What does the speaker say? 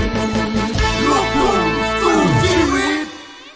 ลูกคลุมสู่ที่ริวิต